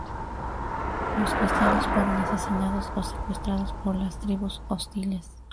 Los cristianos fueron asesinados o secuestrados por las tribus hostiles.